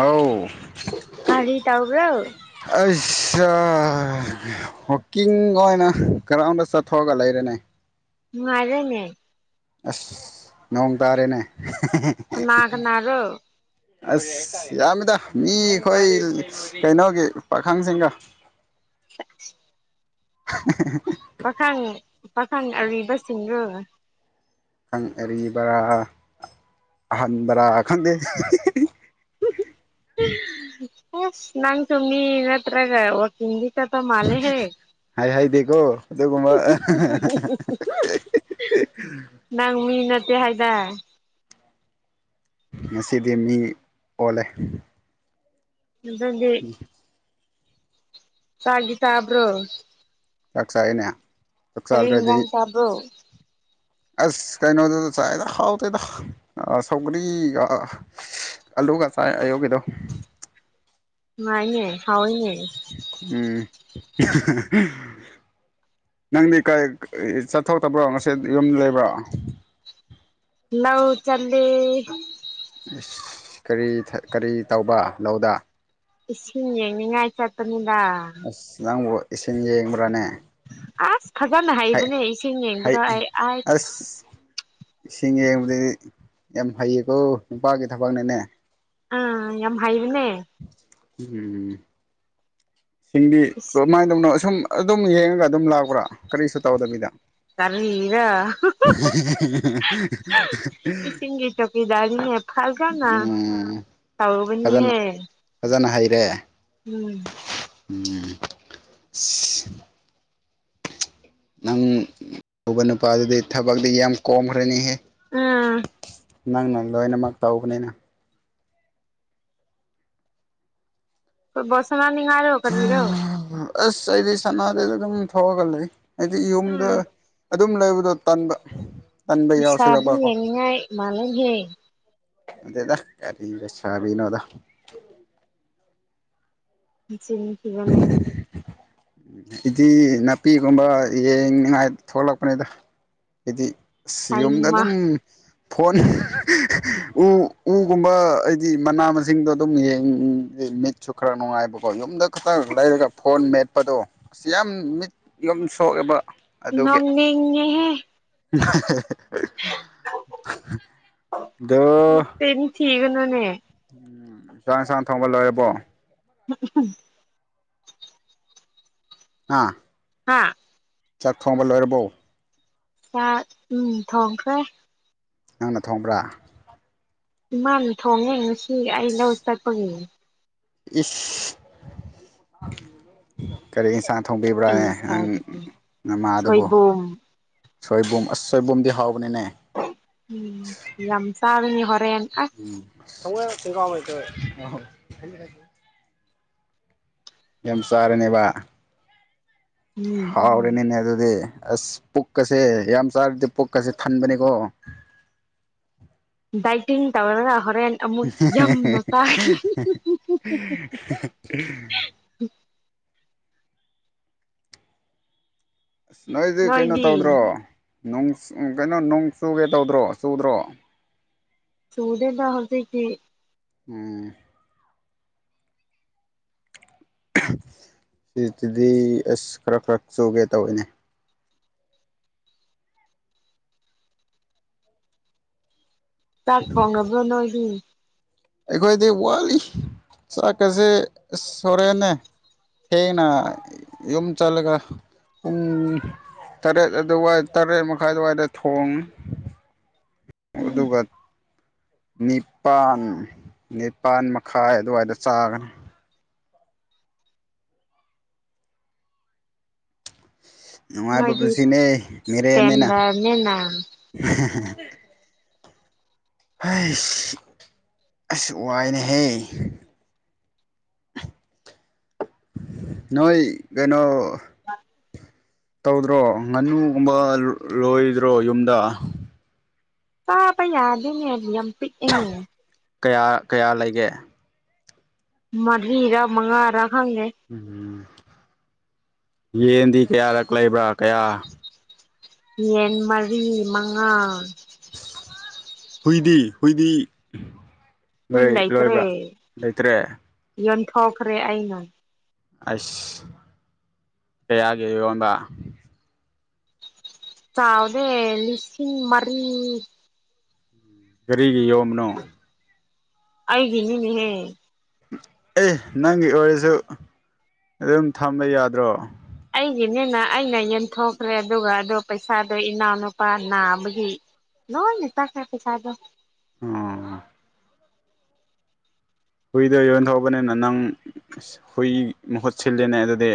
ꯑꫭꯏ ꯀꯔꯤ ꯇꯧꯕ꯭ꯔꯣ ꯑꯩꯁ ꯋꯥꯛꯀꯤꯡ ꯑꯣꯏꯅ ꯒꯔꯥꯎꯟꯗ ꯆꯠꯊꯣꯛꯑꯒ ꯂꯩꯔꯅꯦ ꯅꯨꯡꯉꯥꯔꯦꯅꯦ ꯑꯥꯁ ꯅꯣꯡ ꯇꯥꯔꯦꯅꯦ꯫ ꯀꯥꯅꯥ ꯀꯅꯥꯔꯣ ꯑꯁ ꯌꯥꯝꯃꯤꯗ ꯃꯤꯗꯤ ꯑꯩꯈꯣꯏ ꯀꯩꯅꯣꯒꯤ ꯄꯥꯈꯪꯁꯤꯡꯒꯥ꯫ [unintelligible] ꯄꯥꯈꯪ ꯄꯥꯈꯪ ꯑꯔꯤꯕꯁꯤꯡꯗꯨꯔꫭ ꯄꯥꯈꯪ ꯑꯔꯤꯕꯥ ꯑꯍꯔꯤ ꯈꯪꯗꯦ ꯗꯥ ꯎꯝ [unintelligible] ꯑꯁ ꯅꯪꯁꯨ ꯃꯤꯅꯠꯇ꯭ꯔꯒ ꯑꯥꯑꯣꯔꯗ ꯆꯠꯄꯥ ꯃꯥꯂꯩꯍ° ꯍꯥꯏ ꯍꯥꯏꯗꯦꯀꯣ ꯑꯗꯨꯒꯨꯝꯕ ꯅꯪ ꯃꯤ ꯅꯠꯇꯦ ꯍꯥꯏꯗꯥꯅ°? ꯉꯁꯤꯗꯤ ꯃꯤ ꯑꯣꯜꯂꯦ ꯑꯗꯨ ꯗꯤ ꯆꯥꯗꯤ ꯁꯥꯕ꯭ꯔꯣ ꯆꯀꯆꯥꯏꯅꯦ ꯀꯔꯤ ꯏꯪꯖꯡ ꯆꯕꯔꯣ ꯑꯁ ꯀꯩꯅꯣꯗꯨ ꯆꯥꯏꯗ ꯍꯥꯎꯗꯦꯗ ꯁꯧꯒꯔꯤ ꯌꯒꯁꯥꯏ ꯑꯌꯣꯒꯒꯤꯗꯣ ꯉꯥꯏꯅꯦ ꯍꯥꯎꯅꯦ ꯎꯝ ꯅꯪꯗꯤ ꯀꯔꯤ ꯆꯠꯊꯣꯛꯇꯕ꯭ꯔꯣ ꯉꯁꯤ ꯌꯨꯝ ꯂꯩꯕ꯭ꯔꯣ ꯂꯧ ꯆꯠꯂꯦ ꯀꯔꯤ ꯀꯔꯤ ꯇꯧꯕ ꯅꯣꯗ ꯏꯁꯤꯡ ꯌꯦꯡꯅꯤꯡꯉꯥꯏ ꯆꯠꯄꯅꯤ ꯑꯁ ꯅꯪꯕꯨ ꯏꯁꯤꯡ ꯌꯦꯡꯕ꯭ꯔꯥꯅꯦ ꯑꯁ ꯐꯖꯅ ꯍꯩ ꯍꯩꯕꯅꯦ ꯏꯁꯤꯡ ꯍꯩ ꯌꯦꯡꯕꯗꯣ ꯑꯩ ꯑ ꯑꯁ ꯏꯁꯤꯡ ꯌꯦꯡꯕꯗꯤ ꯌꯥꯝ ꯐꯩꯌꯦꯀꯣ ꯅꯨꯄꯥꯒꯤ ꯊꯕꯛꯅꯅꯦ ꯑꯥ ꯌꯥꯝ ꯍꯩꯗꯅꯦ ꯎꯝ ꯁꯤꯡꯗꯤ ꯏꯁ ꯀꯃꯥꯏꯅ ꯇꯧꯅꯣ ꯁꯨꯝ ꯑꯗꯨꯝ ꯌꯦꯡꯉꯒ ꯑꯗꯨꯝ ꯂꯥꯛꯕ꯭ꯔꯥ ꯀꯔꯤꯁꯨ ꯇꯧꯗꯕꯤꯗ ꯀꯔꯤ [inaudible] ꯁꯤꯒꯤ ꯆꯧꯀꯤꯗꯥꯔꯤꯅꯦ ꯐꯥꯜꯒꯥꯅ ꯎꯝ ꯇꯥꯎꯕꯅꯤ ꯐꯖꯅ ꯍꯥꯏ ꯐꯖꯅ ꯎꯝ ꯎꯝ ꯅꯪ ꯎꯧꯕ ꯅꯨꯄꯥꯗꯨꯗꯤ ꯊꯕꯛꯇꯤ ꯌꯥꯝ ꯀꯣꯝꯈ꯭ꯔꯅꯤꯍꯦ ꯑꯝ ꯅꯪ ꯅꯥ ꯂꯣꯏꯅꯃꯛ ꯇꯧꯕꯅꯤꯅ ꯐꯨꯇꯕꯣꯜ ꯁꯥꯅꯥꯅꯤ ꯍꯥꯌꯔꯒꯥ ꯀꯔꯤꯔꯣ ꯑꯁ ꯑꯩꯗꯤ ꯁꯅꯥꯗꯩꯗ ꯑꯗꯨꯝ ꯊꯣꯛꯑꯒ ꯂꯩ ꯍꯥꯏꯗꯤ ꯌꯨꯝꯗ ꯎꯝ ꯑꯗꯨꯝ ꯂꯩꯕꯗꯣ ꯇꯟꯕ ꯇꯟꯕ ꯂꯩꯁꯥꯕꯤ ꯌꯥꯎꯁꯤꯜꯂꯛꯄꯀꯣ ꯌꯦꯡꯉꯥꯏ ꯃꯥꯅꯍꯦ ꯟꯇꯦꯗꯥ ꯀꯔꯤꯂꯩꯁꯕꯤꯅꯣꯗ ꯁꯤꯅꯤ ꯀꯒꯅꯦ ꯍꯥꯏꯗꯤ ꯅꯥꯄꯤꯒꯨꯝꯕ ꯌꯦꯡꯅꯤꯉꯥꯏ ꯊꯣꯛꯂꯛꯄꯅꯤꯗ ꯍꯥꯏꯗꯤ ꯁꯤ ꯌꯨꯝꯗ ꯍꯩꯃꯥ ꯑꯗꯨꯝ ꯐꯣꯟ ꯎ ꯎꯒꯨꯝꯕ ꯍꯥꯏꯗꯤ ꯃꯅꯥ ꯃꯁꯤꯡꯗꯣ ꯑꯗꯨꯝ ꯌꯦꯡ ꯃꯤꯠ ꯆꯈ꯭ꯔꯥ ꯅꯨꯡꯉꯥꯏꯕꯣ ꯌꯨꯝꯗ ꯈꯛꯇꯪ ꯑꯁ ꯂꯩꯔꯒ ꯐꯣꯟ ꯃꯦꯠꯄꯗꯣ ꯑꯁꯤ ꯌꯥꯝ ꯃꯤꯠ ꯌꯨꯝ ꯁꯣꯛꯑꯦꯕ ꯑꯗꯨꯒꯤ ꯅꯣꯛꯅꯤꯡꯤꯍꯦ [inaudible] ꯑꯗꯣ ꯅꯥꯆꯤꯟ ꯆꯤꯒꯅꯨꯅꯦ ꯎꯝꯁꯥꯡ ꯏꯟꯁꯥꯡꯅ ꯊꯣꯡꯕ ꯂꯣꯏꯦꯔꯕꯣ [inaudible] ꯑꯥ ꯍꯥꯥ ꯆꯥꯛ ꯊꯣꯡꯕ ꯂꯣꯏꯔꯕꯣ ꯆꯥꯛ ꯎꯝ ꯊꯣꯡꯈ꯭ꯔꯦ ꯅꯪꯅ ꯊꯣꯡꯕ꯭ꯔꯥ ꯏꯃꯥꯅ ꯊꯣꯡꯉ ꯉꯁꯤ ꯑꯩ ꯂꯧ ꯆꯠꯄꯒꯤꯅꯦ ꯏꯁ ꯀꯔꯦ ꯏꯁꯥꯟ ꯊꯣꯡꯕꯤꯕ꯭ꯔꯥꯅꯦ ꯏꯁ ꯅꯪ ꯅꯃꯥꯗꯨꯕꯨ ꯁꯣꯏꯕꯨꯝ ꯁꯣꯏꯕꯨꯝ ꯑꯁ ꯁꯣꯏꯕꯨꯝꯗꯤ ꯍꯥꯎꯕ ꯎꯝ ꯂꯝꯁꯥꯕꯤꯅꯤ ꯎ ꯁꯣꯏ ꯊ ꯀꯝ ꯌꯥꯝ ꯁꯥꯥꯔꯅꯦꯕ ꯎꯝ ꯍꯥꯎ꯭ꯔꯦ ꯅꯅꯦ ꯑꯗꯨ ꯑꯁ ꯄꯨꯛꯀꯁꯦ ꯌꯥꯝ ꯆꯥꯔꯗꯤ ꯄꯨꯛꯀꯁꯦ ꯐꯟꯕꯅꯤꯀꯣ ꯗꯥꯏꯇꯤꯡ ꯇꯧꯔꯒ ꯍꯣꯔꯦꯟ ꯑꯃꯨꯛ ꯌꯥꯝꯅ ꯆꯥꯈꯤ [unintelligible] ꯑꯁ ꯅꯣꯏꯗꯤ ꯀꯩꯅꯣ ꯇꯧꯗ꯭ꯔꯣ ꯀꯩꯅꯣ ꯅꯣꯡ ꯆꯨꯒꯦ ꯇꯧꯗ꯭ꯔꯣ ꯆꯨꯗ꯭ꯔꯣ ꯆꯨꯗꯦꯟ ꯇꯍ ꯆ ꯎꯝ ꯁꯤꯇꯗꯤ ꯑꯁ ꯈꯔ ꯈꯔ ꯆꯨꯒꯦ ꯇꯧꯏꯅꯦ ꯆꯥꯛ ꯊꯣꯡꯉꯕ꯭ꯔꯥ ꯅꯣꯏꯗꯤ ꯑꯩꯈꯣꯏꯗꯤ ꯋꯥꯠꯂꯤ ꯆꯥꯛꯀꯁꯦ ꯁꯣꯔꯦꯅꯦ ꯍꯦꯡꯅ ꯌꯨꯝ ꯆꯠꯂꯒ ꯎ ꯇꯔꯦꯠ ꯑꯗꯨꯋꯥꯏ ꯇꯔꯦꯠ ꯃꯈꯥꯏ ꯑꯗꯨꯋꯥꯏꯗ ꯊꯣꯡꯉ ꯎꯝ ꯃꯗꯨꯒꯠ ꯅꯤꯄꯥꯜ ꯅꯤꯄꯥꯜ ꯃꯈꯥꯏ ꯑꯗꯨꯋꯥꯏꯗ ꯆꯥꯒꯅꯤ ꯅꯨꯡꯉꯥꯏꯕ ꯅꯣꯏꯗꯤ ꯄꯨꯟꯁꯤꯅꯦ ꯃꯦꯔꯦꯅꯤꯅ ꯎ ꯏꯁꯇꯦꯟꯗꯔꯅꯤꯅ ꯍꯁ ꯑꯁ ꯋꯥꯏꯅꯦꯍꯦ [unintelligible] ꯅꯣꯏ ꯀꯩꯅꯣ ꯑ ꯇꯧꯗ꯭ꯔꯣ ꯉꯥꯅꯨꯒꯨꯝꯕ ꯂꯣꯏꯗ꯭ꯔꯣ ꯌꯨꯝꯗ ꯄꯥꯕ ꯌꯥꯗꯅꯦꯔꯝ ꯄꯤꯛꯏꯅꯦ ꯀꯌꯥ ꯀꯌꯥ ꯂꯩꯒꯦ ꯃꯙꯤꯔꯥ ꯃꯉꯔ ꯎꯝ ꯌꯦꯟꯗꯤ ꯀꯌꯥꯔꯛ ꯂꯩꯕ꯭ꯔꯥ ꯀꯌꯥ ꯌꯦ ꯃꯔꯤ ꯃꯉꯥ ꯍꯨꯏꯗꯤ ꯍꯨꯏꯗꯤ ꯍꯨꯏ ꯂꯣꯏ ꯂꯩꯇ꯭ꯔꯦ ꯂꯣꯏꯕ꯭ꯔꯥ ꯂꯩꯇ꯭ꯔꯦ ꯊꯣꯛꯈ꯭ꯔꯦ ꯑꯩꯅ ꯑꯁ ꯀꯌꯥꯒꯤ ꯌꯔꯣꯟꯕ ꯆꯥꯎꯗꯦ ꯂꯤꯁꯤꯡ ꯃꯔꯤ ꯀꯔꯤꯒꯤ ꯌꯣꯕꯅꯣ ꯑꯩꯒꯤꯅꯤꯅꯦ ꯍꯦ ꯑꯦ ꯅꯪꯒꯤ ꯑꯣꯏꯔꯁꯨ ꯑꯗꯨꯝ ꯊꯝꯕ ꯌꯥꯗ꯭ꯔꯣ ꯑꯩꯒꯤꯅꯦꯅ ꯑꯩꯅ ꯌꯦꯟꯊꯣꯛꯈ꯭ꯔꯦ ꯑꯗꯨꯒ ꯑꯗꯣ ꯄꯩꯁꯥꯗꯣ ꯏꯅꯥꯎꯅꯨꯄꯥ ꯅꯥꯕꯒꯤ ꯂꯣꯏꯅꯦ ꯇꯁꯇ ꯁꯥꯗꯣ ꯑꯣ ꯍꯨꯏꯗꯣ ꯌꯣꯟꯊꯣꯛꯧꯕꯅꯤꯅ ꯅꯪ ꯍꯨꯏ ꯃꯍꯨꯠ ꯁꯤꯜꯂꯤꯅꯦ ꯑꯗꯨꯗꯤ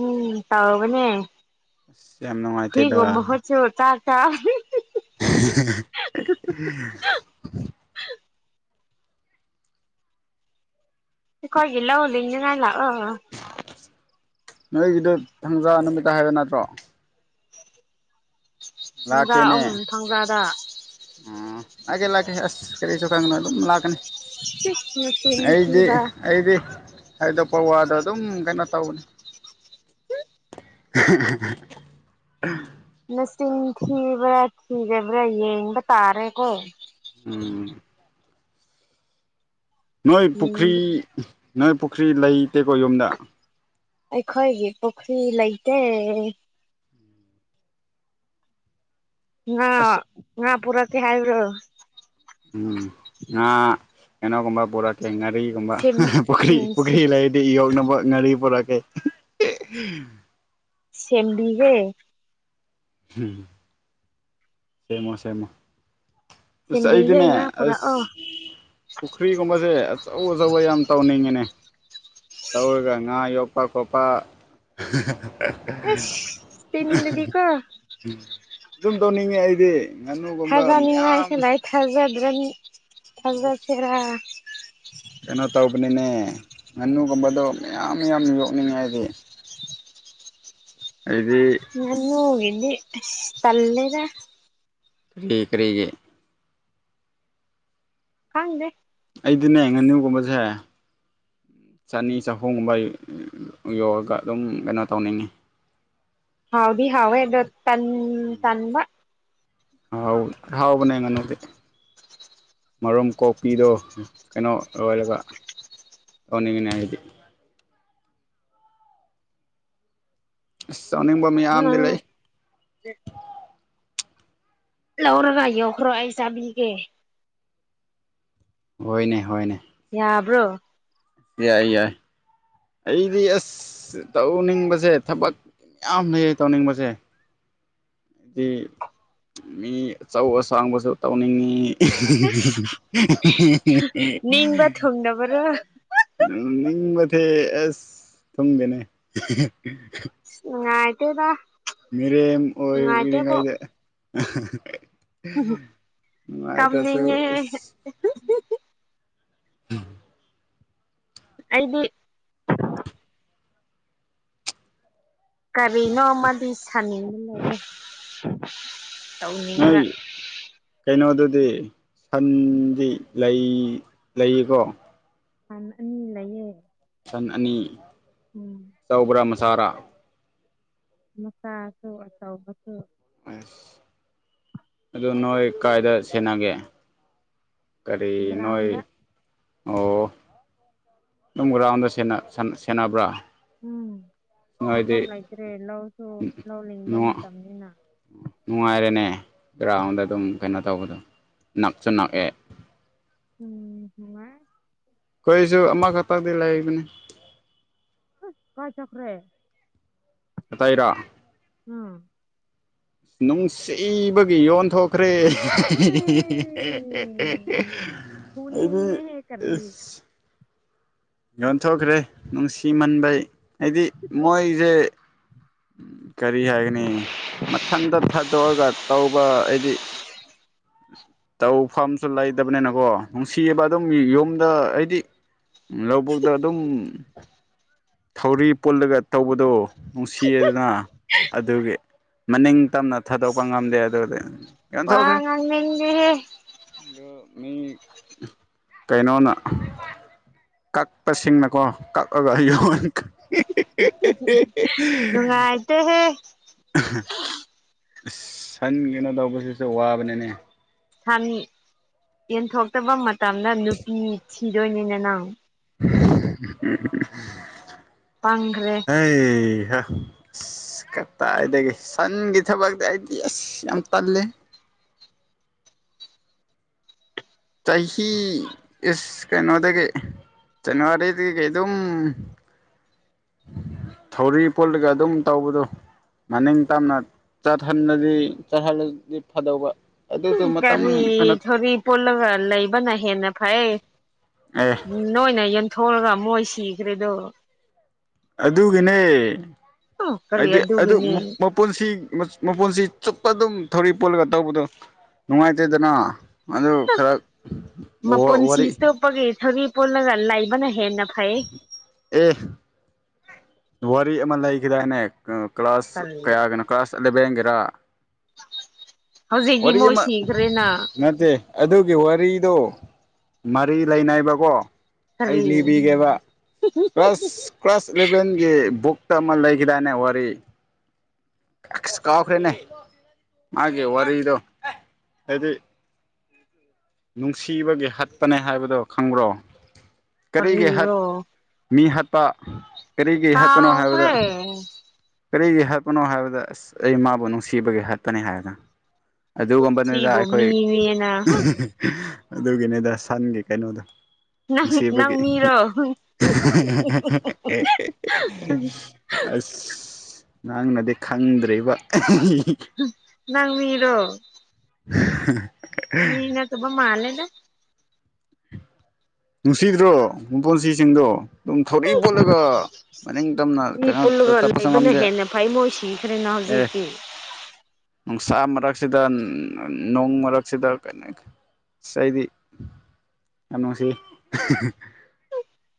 ꯎꯝ ꯇ ꯃꯅꯦ ꯑꯁ ꯌꯥꯝ ꯅꯨꯡꯉꯥꯏꯇꯦꯗ ꯍꯏꯒꯝꯝꯕ ꯍꯆ ꯇ ꯇ [unintelligible] [unintelligible] ꯁꯤꯈꯂ ꯍ ꯏꯟꯖꯅꯂ ꯅꯣꯏꯒꯤꯗ ꯊꯪꯖꯥ ꯅꯨꯃꯤꯠꯇ ꯍꯥꯏꯕ ꯅꯠꯇ꯭ꯔꯣ ꯊꯪꯖꯥ ꯂꯥꯛꯀꯦꯅꯦ ꯎꯝ ꯊꯪꯖꯥꯗ ꯑꯣ ꯂꯥꯛꯀꯦ ꯂꯥꯛꯀꯦ ꯑꯁ ꯀꯔꯤꯁꯨ ꯈꯟꯒꯅꯣ ꯑꯗꯨꯝ ꯂꯥꯛꯀꯅꯤ ꯏꯁ ꯅꯆꯤꯟ ꯑꯩꯗꯤ ꯊꯤꯕ ꯑꯩꯗꯤ ꯍꯥꯏꯗꯣꯛ ꯄꯋꯥꯗꯣ ꯑꯗꯨꯝ ꯀꯩꯅꯣ ꯇꯧꯕꯅꯦ [unintelligible] ꯃꯁꯤꯡ ꯊꯤꯕ꯭ꯔꯥ ꯊꯤꯗꯕ꯭ꯔꯥ ꯌꯦꯡꯕ ꯇꯥꯔꯦꯀꯣ ꯎꯝ ꯅꯣꯏ ꯎꯝ ꯄꯨꯈ꯭ꯔꯤ ꯅꯣꯏ ꯄꯨꯈ꯭ꯔꯤ ꯂꯩꯇꯦꯀꯣ ꯌꯨꯝꯗ ꯑꯩꯈꯣꯏꯒꯤ ꯄꯨꯈ꯭ꯔꯤ ꯂꯩꯇꯦ ꯉꯥ ꯑꯁ ꯉꯥ ꯄꯨꯔꯛꯀꯦ ꯍꯥꯏ ꯕꯔꯣ ꯎꯝꯉꯥ ꯀꯦꯅꯣꯒꯨꯝꯕ ꯄꯨꯔꯛ ꯀꯦ ꯀꯔꯤꯒꯨꯝꯕ ꯁꯦꯝ ꯄꯨꯈ꯭ꯔꯤ ꯎꯝ ꯄꯨꯈ꯭ꯔꯤ ꯂꯩꯗꯤ ꯌꯣꯛꯅꯕ ꯉꯔꯤ ꯄꯨꯔꯛ ꯀꯦ [unintelligible] ꯁꯦꯝꯕꯤ ꯒꯦ ꯍꯝ ꯁꯦꯝꯃꯣ ꯁꯦꯝꯃꯣ ꯑꯁ ꯁꯦꯝꯕꯤꯒꯦ ꯑꯩꯗꯤꯅꯦ ꯉꯥ ꯑꯁ ꯄꯨꯔꯛꯑꯣ ꯄꯨꯈ꯭ꯔꯤꯒꯨꯝꯕꯁꯦ ꯑꯆꯧ ꯑꯆꯧꯕ ꯌꯥꯝ ꯇꯧꯅꯤꯡꯉꯤꯅꯦ ꯇꯧꯔꯒ ꯉꯥ ꯌꯣꯛꯄꯥ ꯈꯣꯠꯄꯥ ꯏꯁ ꯇꯤꯟꯒꯤꯗꯤ ꯀꯣ ꯑꯗꯨꯝ ꯇꯧꯅꯤꯡꯉꯦ ꯑꯩꯗꯤ ꯉꯥꯅꯨꯒꯨꯝꯕ ꯊꯖꯥꯅꯤꯡꯉꯥꯏꯁꯨ ꯃꯌꯥꯝ ꯂꯩ ꯊꯥꯖꯗ꯭ꯔꯥ ꯑꯁ ꯊꯥꯖꯁꯤꯔꯥ ꯀꯩꯅꯣ ꯇꯧꯕꯅꯤꯅꯦ ꯉꯥꯅꯨꯒꯨꯝꯕꯗꯣ ꯃꯌꯥꯝ ꯃꯌꯥꯝ ꯌꯣꯛꯅꯤꯡꯉꯦ ꯑꯩꯗꯤ ꯑꯩꯗꯤ ꯑꯁ ꯉꯥꯅꯨ ꯒꯤꯗꯤ ꯑꯁ ꯇꯜꯂꯦꯗ ꯀꯔꯤ ꯀꯔꯤꯒꯤ ꯈꯪꯗꯦ ꯑꯩꯗꯤꯅꯦ ꯉꯥꯅꯨꯒꯨꯝꯕꯁꯦ ꯆꯅꯤ ꯆꯍꯨꯝꯒꯨꯝꯕ ꯌꯣꯛꯑꯒ ꯑꯗꯨꯝ ꯀꯩꯅꯣ ꯇꯧꯅꯤꯡꯉꯤ ꯍꯥꯎꯗꯤ ꯍꯋꯥ ꯑꯦꯗꯣ ꯇꯟ ꯇꯟꯕ ꯍꯥꯎꯅꯦ ꯍꯥꯎꯕꯅꯦ ꯑꯩ ꯉꯥꯅꯨꯗꯤ ꯃꯔꯨꯝ ꯀꯣꯛꯄꯤꯗ ꯀꯩꯅꯣ ꯑꯣꯏꯂ ꯑꯣꯅꯤꯉꯅꯦ ꯑꯩꯗꯤ ꯑꯁ ꯆꯥꯅꯤꯡꯕ ꯃꯌꯥꯝꯗꯤ ꯅꯪ ꯂꯩ ꯂꯧꯔꯒ ꯌꯣꯛꯈ꯭ꯔꯣ ꯑꯩ ꯆꯥꯕꯤꯒꯦ ꯍꯣꯏꯅꯦ ꯍꯣꯏꯅꯦ ꯌꯥꯕ꯭ꯔꯣ ꯌꯥꯏ ꯌꯥꯏ ꯑꯩꯗꯤ ꯑꯁ ꯇꯧꯅꯤꯡꯕꯁꯦ ꯊꯕꯛ ꯃꯌꯥꯝ ꯂꯩ ꯇꯧꯅꯤꯡꯕꯁꯦ ꯍꯥꯏꯗꯤ ꯃꯤ ꯑꯆꯧ ꯑꯁꯥꯡꯕꯁꯨ ꯇꯧꯅꯤꯡꯉꯤ ꯅꯤꯡꯕ [unintelligible] ꯊꯨꯡꯗꯕꯔꯣ ꯎꯝ ꯅꯤꯡꯕ ꯊꯦ ꯑꯁ ꯊꯨꯡꯗꯦꯅꯦ ꯅꯨꯡꯉꯥꯏꯇꯦꯗ ꯃꯤꯔꯦꯝ ꯑꯣꯏꯗꯤ ꯅꯨꯡꯉꯥꯏꯇꯦꯕꯣ ꯉꯩ ꯉꯥꯏꯇꯁꯨ ꯀꯞꯅꯤꯡꯉꯦꯍꯦ ꯎꯝ ꯑꯩꯗꯤ ꯀꯔꯤꯅꯣ ꯃꯥꯗꯤ ꯁꯃꯤꯟ ꯂꯩ ꯇꯧꯅꯤꯡꯕ꯭ꯔ ꯗꯤ ꯁꯟꯗꯤ ꯂꯩꯌꯦꯀꯣ ꯎꯝ ꯑꯅꯤ ꯂꯩꯌꯦ ꯁꯟ ꯑꯅꯤ ꯎꯝ ꯆꯥꯎꯕ꯭ꯔꯥ ꯃꯆꯥꯔꯥ ꯃꯆꯥꯥꯁꯨ ꯑꯆꯧꯕꯁꯨ ꯑꯁ ꯑꯗꯨ ꯅꯣꯏ ꯀꯥꯏꯗ ꯁꯦꯟꯅꯒꯦ ꯀꯔꯤ ꯅꯣꯏ ꯒ꯭ꯔꯥꯎꯟꯗ ꯑꯣ ꯑꯗꯨꯝ ꯒ꯭ꯔꯥꯎꯟꯗ ꯁꯦꯟꯅꯕ꯭ꯔꯥ ꯎꯝ ꯅꯣꯏꯗꯤ ꯃꯐꯝ ꯂꯩꯇ꯭ꯔꯦ ꯂꯧꯁꯨ ꯂꯧ ꯂꯤꯡꯕ ꯃꯇꯝꯅꯤꯅ ꯅꯨꯡꯉꯥꯏꯔꯦꯅꯦ ꯒ꯭ꯔꯥꯎꯟꯗ ꯑꯗꯨꯝ ꯀꯩꯅꯣ ꯇꯧꯕꯗꯣ ꯅꯛꯁꯨ ꯅꯛꯑꯦ ꯎꯝ ꯍ ꯋꯥ ꯀꯣꯏꯁꯨ ꯑꯃ ꯈꯇꯗꯤ ꯂꯥꯏꯕꯅꯦ ꯀꯥꯏ ꯆꯀ꯭ꯔꯦ ꯑ ꯇꯥꯏꯔꯥ ꯎꯝ ꯅꯨꯡꯁꯤꯕꯒꯤ ꯌꯣꯟꯊꯣꯛꯈ꯭ꯔꯦ ꯑꯩ [unintelligible] ꯑꯗꯨꯕꯨ ꯐꯨꯅꯤꯡꯉꯦꯍꯦ ꯀꯔꯤ ꯌꯣꯟꯊꯣꯛꯈ꯭ꯔꯦ ꯅꯨꯡꯁꯤꯃꯟꯕꯩ ꯍꯥꯏꯗꯤ ꯃꯣꯏꯁꯦ ꯀꯔꯤ ꯍꯥꯏꯒꯅꯤ ꯃꯊꯟꯇ ꯊꯥꯗꯣꯛꯑꯒ ꯇꯧꯕ ꯍꯥꯏꯗꯤ ꯧ ꯐꯥꯝꯁꯨ ꯂꯩꯇꯕꯅꯤꯅꯀꯣ ꯅꯨꯡꯁꯤꯕ ꯑꯗꯨꯝ ꯌꯨꯝꯗ ꯑꯩꯗꯤ ꯂꯧꯕꯨꯛꯇ ꯑꯗꯨꯝ ꯊꯧꯔꯤ ꯄꯨꯜꯂꯒ ꯇꯧꯕꯗꯣ ꯅꯨꯡꯁꯤꯌꯦꯗꯅ ꯑꯗꯨꯒꯤ ꯃꯅꯤꯡ ꯇꯝꯅ ꯊꯥꯗꯣꯛꯄ ꯉꯝꯗꯦ ꯑꯗꯨꯗꯤ ꯋꯥ ꯌꯣꯟꯊꯣꯛꯈ꯭ꯔꯦ ꯉꯗꯤꯦ ꯑꯗꯨ ꯃꯤ ꯀꯩꯅꯣꯅ ꯀꯛꯄꯁꯤꯡꯅꯀꯣ ꯀꯛꯑꯒ ꯑꯩ ꯅꯨꯡꯉꯥꯏꯇꯍꯦ ꯁꯟ ꯀꯩꯅꯣ ꯇꯧꯕꯁꯤꯁꯨ ꯋꯥꯕꯅꯤꯅꯦ ꯌꯦꯟꯊꯣꯛꯇꯕ ꯃꯇꯝꯗ ꯅꯨꯄꯤ ꯊꯤꯗꯣꯏꯅꯤꯅ ꯅꯪ ꯄꯪꯈ꯭ꯔꯦ ꯑꯦ ꯍ ꯑꯁ ꯀꯇꯥꯥꯏꯗꯒꯤ ꯁꯟꯒꯤ ꯊꯕꯛꯇꯤ ꯑꯩꯗꯤ ꯑꯁ ꯌꯥꯝ ꯇꯜꯂꯦ [unintelligible] ꯆꯍꯤ ꯏꯁ ꯀꯩꯅꯣꯗꯒꯤ ꯆꯖꯅꯋꯥꯔꯤꯗꯤ ꯀꯩꯗ [unintelligible] ꯊꯧꯔꯤ ꯄꯨꯜꯂꯒ ꯑꯗꯨꯝ ꯇꯧꯕꯗꯣ ꯃꯅꯤꯡ ꯇꯝꯅ ꯆꯠꯍꯟꯂꯗꯤ ꯆꯠꯍꯜꯂꯗꯤ ꯐꯗꯧꯕ ꯎ ꯑꯗꯨꯁꯨ ꯃꯇꯝ ꯀꯔꯤ ꯀꯩꯅꯣ ꯊꯣꯔꯤ ꯄꯨꯣꯜꯂꯒ ꯂꯩꯕꯅ ꯍꯦꯟꯅ ꯐꯩ ꯑꯦ ꯎ ꯅꯣꯏꯅ ꯌꯦꯟꯊꯣꯛꯑꯒ ꯃꯣꯏ ꯁꯤꯈ꯭ꯔꯦꯗꯣ ꯑꯗꯨꯒꯤꯅꯦ ꯎꯝ ꯀꯔꯤ ꯍꯥꯏꯗꯤ ꯑꯗꯨ ꯑꯗꯨꯒꯤꯅꯤ ꯃꯄꯨꯣꯟꯁꯤ ꯃꯄꯨꯣꯟꯁꯤ ꯆꯨꯞꯄ ꯑꯗꯨꯝ ꯊꯧꯔꯤ ꯄꯣꯜꯂꯒ ꯇꯧꯕꯗꯣ ꯅꯨꯡꯉꯥꯏꯇꯦꯗꯅ ꯑꯗꯨ ꯈꯔ ꯃꯄꯨꯟꯁꯤ ꯋꯥꯔꯤ ꯇꯨꯞꯞꯄꯒꯤ ꯊꯧꯔꯤ ꯄꯨꯜꯂꯒ ꯂꯩꯕꯅ ꯍꯦꯟꯅ ꯐꯩ ꯑꯦ ꯋꯥꯔꯤ ꯑꯃ ꯂꯩꯈꯤꯗꯥꯏꯅꯦ ꯀ꯭ꯂꯥꯁ ꯀꯔꯤ ꯀꯌꯥꯒꯤꯅꯣ ꯀ꯭ꯂꯥꯁ ꯑꯦꯂꯚꯦꯟꯒꯤꯔ ꯍꯧꯖꯤꯛꯇꯤ ꯋꯥꯔꯤ ꯃꯣꯏ ꯑꯃ ꯁꯤꯈ꯭ꯔꯦꯅ ꯅꯠꯇꯦ ꯑꯗꯨꯒꯤ ꯋꯥꯔꯤꯗꯣ ꯃꯔꯤ ꯂꯩꯅꯥꯏꯕꯀꯣ ꯑꯩ ꯀꯔꯤ ꯂꯤꯕꯤꯒꯦꯕ ꯀ꯭ꯔꯁ ꯀ ꯕꯨꯛ ꯇ ꯑꯃ ꯂꯩ ꯀꯗꯅꯦ ꯋꯥꯔꯤꯔꯤ ꯀꯥꯎꯈꯔꯅꯦ ꯃꯥꯒꯤꯦ ꯋꯥꯔꯤꯗꯣ ꯍꯥꯏꯗꯤ ꯅꯨꯡꯁꯤꯕꯒꯤ ꯍꯠꯄꯅꯦ ꯍꯥꯏꯕꯗꯨꯣ ꯈꯪꯕ꯭ꯔꯣ ꯀꯔꯤꯒꯤ ꯍꯠ ꯀꯔꯤꯔꯣ ꯃꯤ ꯍꯥꯠꯄ ꯀꯔꯤꯒꯤ ꯍꯥꯠꯄꯅꯣ ꯍꯥꯏꯕꯗ ꯀꯥꯎꯈ꯭ꯔꯦ ꯀꯔꯤꯒꯤ ꯍꯥꯠꯄꯅꯣ ꯍꯥꯏꯕꯗ ꯑꯁ ꯑꯩ ꯃꯥꯕꯨ ꯅꯨꯡꯁꯤꯕꯒꯦ ꯍꯥꯠꯄꯅꯤ ꯍꯥꯏꯔꯒ ꯑꯗꯨꯒꯨꯝꯕꯅꯤꯗ ꯁꯤꯕꯨ ꯑꯩꯈꯣꯏ ꯃꯤꯅꯦꯅ ꯑꯗꯨꯒꯤꯅꯤꯗ ꯁꯟꯒꯤ ꯀꯩꯅꯣꯗ ꯅꯪ ꯅꯪ ꯃꯤꯔꯣ ꯑꯁ ꯅꯪꯅꯗꯤ ꯈꯪꯗ꯭ꯔꯤꯕ ꯅꯪ ꯃꯤꯔꯣ ꯎ ꯃꯤꯅ ꯇꯕ ꯃꯥꯂꯦꯗ ꯅꯨꯡꯁꯤꯗ꯭ꯔꯣ ꯃꯄꯣꯟꯁꯤꯁꯤꯡꯗꯣ ꯑꯗꯨꯝ ꯊꯧꯔꯛꯏ ꯄꯣꯠꯂꯒ ꯃꯅꯤꯡ ꯇꯝꯅ ꯃꯤ ꯀꯩꯅꯣꯝꯇ ꯄꯨꯜꯂꯒ ꯆꯠꯄꯁꯨ ꯂꯩꯕꯅ ꯉꯝꯗꯦ ꯍꯦꯟꯅ ꯐꯩ ꯃꯣꯏ ꯁꯤꯈ꯭ꯔꯦꯅ ꯑꯦ ꯍꯧꯖꯤꯛꯇꯤ ꯅꯨꯡꯁꯥ ꯃꯔ ꯃꯔꯛꯁꯤꯗ ꯅꯣꯡ ꯃꯔꯛꯁꯤꯗ ꯀꯩꯅꯣ ꯁꯤꯗꯤ ꯀꯅꯣꯁꯤꯦ